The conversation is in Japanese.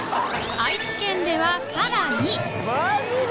愛知県ではさらにマジで。